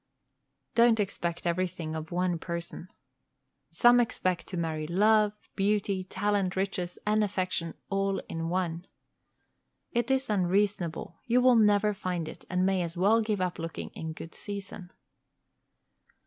Don't expect everything of one person. Some expect to marry love, beauty, talent, riches, and affection all in one. It is unreasonable; you will never find it, and may as well give up looking in good season.